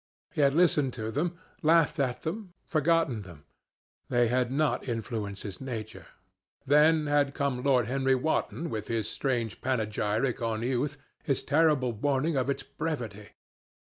He had listened to them, laughed at them, forgotten them. They had not influenced his nature. Then had come Lord Henry Wotton with his strange panegyric on youth, his terrible warning of its brevity.